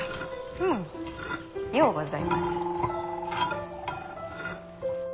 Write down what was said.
うんようございます。